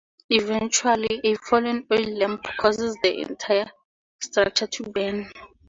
Eventually, a fallen oil lamp causes the entire structure to burn.